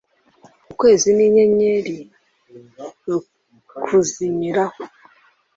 ukwezi n'inyenyeri rukuzimiraho